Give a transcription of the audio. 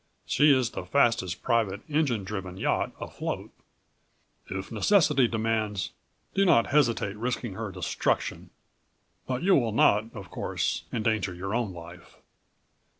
She is the fastest private engine driven yacht afloat. If necessity demands, do not hesitate risking her destruction, but you will not, of course, endanger your own life."